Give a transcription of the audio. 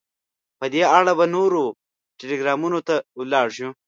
په دې اړه به نورو ټلګرامونو ته ولاړ شو.